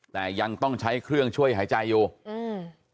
แต่ยังต้องใช้เครื่องช่วยหายใจอยู่อืม